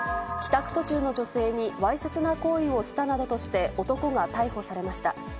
帰宅途中の女性にわいせつな行為をしたなどとして、男が逮捕されました。